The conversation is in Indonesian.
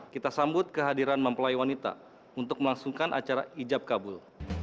kita sambut kehadiran mempelai wanita untuk melangsungkan acara ijab kabul